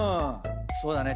そうだね。